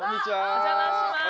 お邪魔します！